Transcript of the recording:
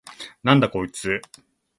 なんだこいつ！？